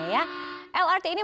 lrt ini merupakan elektronik